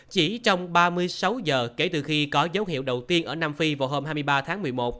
chỉ trong ba mươi sáu giờ kể từ khi có dấu hiệu đầu tiên ở nam phi vào hôm hai mươi ba tháng một mươi một